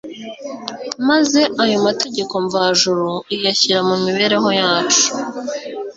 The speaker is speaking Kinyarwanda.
maze ayo mategeko mvajuru iyashyira mu mibereho yacu